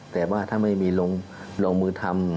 แต่ว่าถ้าไม่มีลงมือทำ